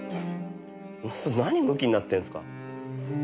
沼田さん何ムキになってんすか。